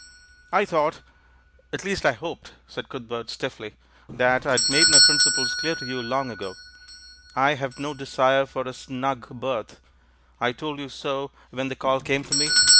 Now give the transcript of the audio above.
"I thought — at least I hoped —" said Cuthbert stiffly, "that I had made my principles clear to you long ago. I have no desire for a 'snug berth' ; I told you so when the Call came to me.